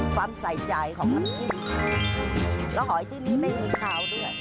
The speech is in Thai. ความใส่ใจของน้ำจิ้มแล้วหอยที่นี้ไม่มีคาวด้วย